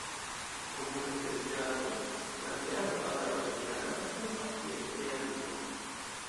Komunaj preĝado, manĝado, agado kaj planado helpas ties realigon.